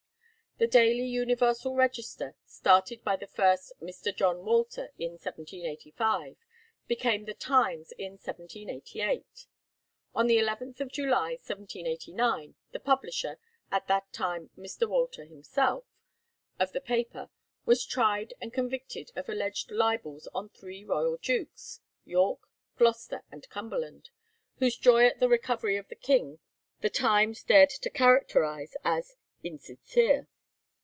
The 'Daily Universal Register,' started by the first Mr. John Walter in 1785, became the 'Times' in 1788. On the 11th July, 1789, the publisher at that time Mr. Walter himself of the paper was tried and convicted of alleged libels on three royal dukes, York, Gloucester, and Cumberland, whose joy at the recovery of the king the 'Times' dared to characterize as "insincere."